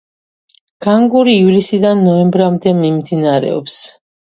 განგური ივლისიდან ნოემბრამდე მიმდინარეობს.